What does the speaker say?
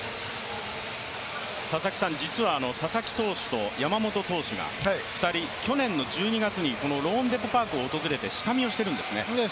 実は佐々木投手と山本投手が２人、去年の１２月にこのローンデポ・パークを訪れて下見をしているんですね。